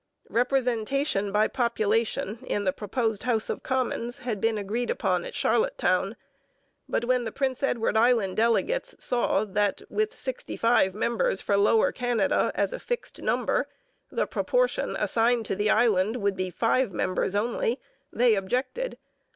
Representation by population in the proposed House of Commons had been agreed upon at Charlottetown; but when the Prince Edward Island delegates saw that, with sixty five members for Lower Canada as a fixed number, the proportion assigned to the Island would be five members only, they objected.